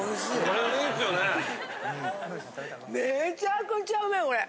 ・めちゃくちゃうまいこれ！